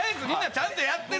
ちゃんとやってる。